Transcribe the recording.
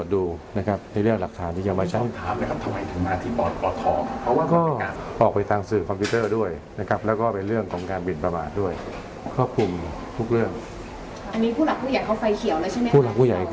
คุณบ๊วยบ๊ายควร